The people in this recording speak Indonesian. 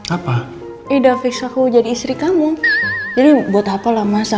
apa idah bos aku jadi istri kamu ori but apalah masa